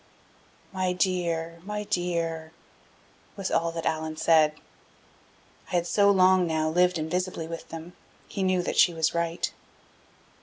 "My dear, my dear!" was all that Allan said. I had so long now lived invisibly with them, he knew that she was right.